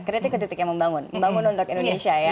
kritik kritik yang membangun untuk indonesia ya